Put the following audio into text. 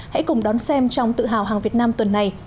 hãy cùng đón xem trong tự hào hàng việt nam tuần này